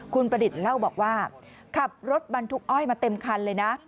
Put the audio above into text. คุณประดิษฐ์เล่าบอกว่าขับรถบรรทุกอ้อยมาเต็มคันเลยนะ